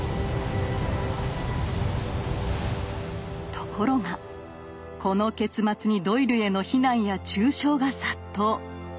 ところがこの結末にドイルへの非難や中傷が殺到。